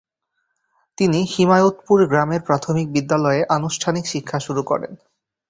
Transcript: তিনি হিমায়তপুর গ্রামের প্রাথমিক বিদ্যালয়ে আনুষ্ঠানিক শিক্ষা শুরু করেন।